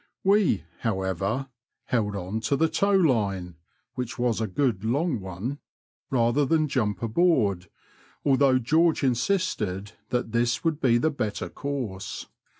We, however, held on to the tow line (which was a good long one) rather than jump aboard, although George insisted that this would be the better course.